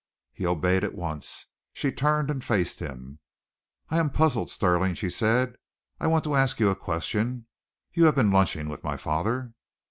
He obeyed at once. She turned and faced him. "I am puzzled, Stirling," she said. "I want to ask you a question. You have been lunching with my father?"